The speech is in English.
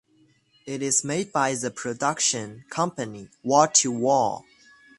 It is made by the production company Wall to Wall.